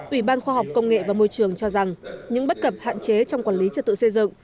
ủy ban khoa học công nghệ và môi trường cho rằng những bất cập hạn chế trong quản lý trật tự xây dựng